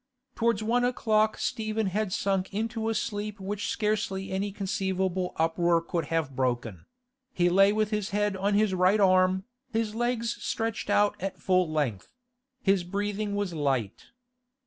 Towards one o'clock Stephen had sunk into a sleep which scarcely any conceivable uproar could have broken; he lay with his head on his right arm, his legs stretched out at full length; his breathing was light.